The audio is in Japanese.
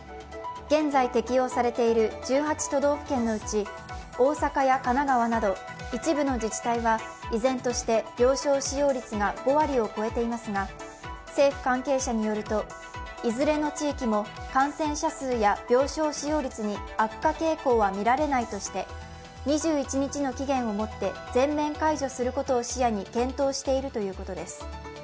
現在適用されている１８都道府県のうち、大阪や神奈川など一部の自治体は依然として病床使用率が５割を超えていますが、政府関係者によると、いずれの地域も感染者数や病床使用率に悪化傾向はみられないとして２１日の期限をもって全面解除することを視野に検討しているということです。